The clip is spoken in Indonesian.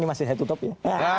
ini masih saya tutup ya